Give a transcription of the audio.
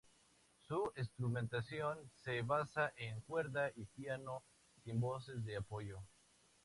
Su instrumentación se basa en cuerda y piano sin voces de apoyo.